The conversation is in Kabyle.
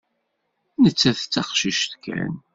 Nettat d taqcict kan.